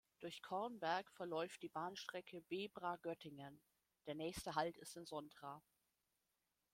Durch Cornberg verläuft die Bahnstrecke Bebra–Göttingen; der nächste Halt ist in Sontra.